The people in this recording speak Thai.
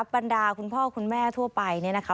บรรดาคุณพ่อคุณแม่ทั่วไปเนี่ยนะคะ